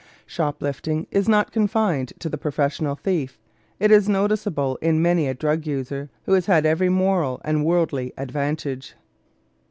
Shoplifting is not confined to the professional thief; it is noticeable in many a drug user who has had every moral and worldly advantage.